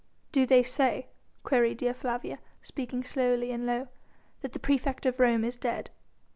"Do they say," queried Dea Flavia, speaking slowly and low, "that the praefect of Rome is dead?"